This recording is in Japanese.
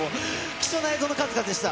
貴重な映像の数々でした。